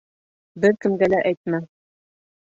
Бер кемгә лә әйтмә.